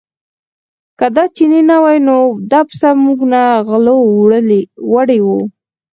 که دا چینی نه وای نو دا پسه موږ نه غلو وړی و.